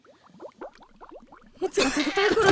いつか絶対ころ